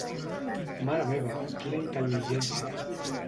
Mare meva, quina intel·ligència!